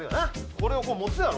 これをこうもつやろ。